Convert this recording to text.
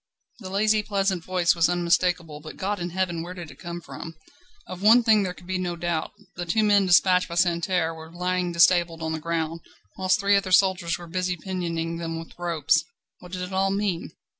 The lazy, pleasant voice was unmistakable, but, God in heaven! where did it come from? Of one thing there could be no doubt. The two men despatched by Santerne were lying disabled on the ground, whilst three other soldiers were busy pinioning them with ropes. What did it all mean?